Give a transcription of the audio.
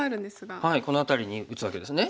この辺りに打つわけですね。